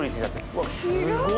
うわっすごい。